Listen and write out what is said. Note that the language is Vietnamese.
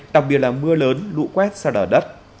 đặc biệt là mưa lớn lũ quét xa đỏ đất